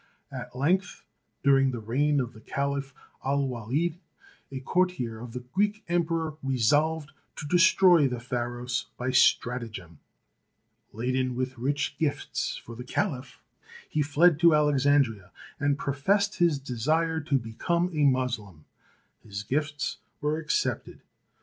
At length, during the reign of the Caliph Al Walid, a courtier of the Greek Emperor re solved to destroy the Pharos by stratagem. Laden with rich gifts for the Caliph, he fled to Alexandria, and professed his desire to become a Moslem. His gifts were accepted.